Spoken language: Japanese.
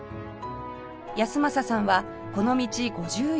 康正さんはこの道５１年